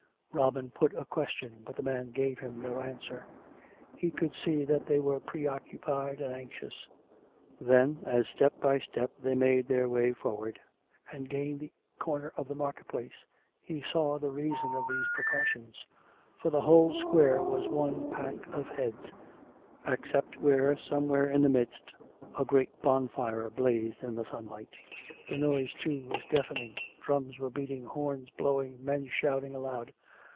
Robin put a question, but the men gave him no answer. He could see that they were preoccupied and anxious. Then, as step by step they made their way forward and gained the corner of the market place, he saw the reason of these precautions ; for the whole square was one pack of heads, except where, somewhere in the midst, a great bon fire blazed in the sunlight. The noise, too, was deafening; drums were beating, horns blowing, men shouting aloud.